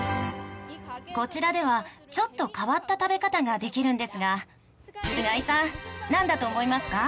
こちらではちょっと変わった食べ方ができるんですが菅井さんなんだと思いますか？